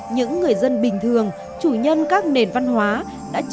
những người dân bình thường chủ nhân các nền văn hóa